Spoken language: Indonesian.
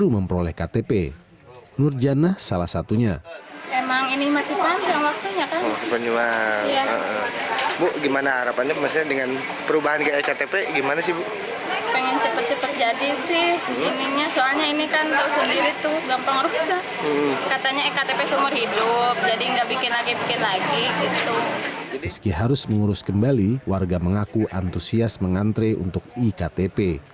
meski harus mengurus kembali warga mengaku antusias mengantre untuk iktp